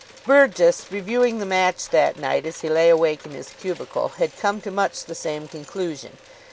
Burgess, reviewing the match that night, as he lay awake in his cubicle, had come to much the same conclusion.